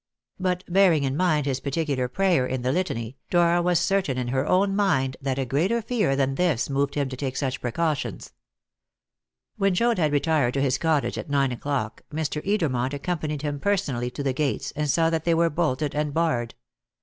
But, bearing in mind his particular prayer in the Litany, Dora was certain in her own mind that a greater fear than this moved him to take such precautions. When Joad had retired to his cottage at nine o'clock, Mr. Edermont accompanied him personally to the gates, and saw that they were bolted and barred.